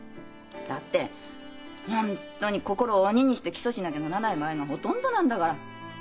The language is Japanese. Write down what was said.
だって本当に心を鬼にして起訴しなきゃならない場合がほとんどなんだから。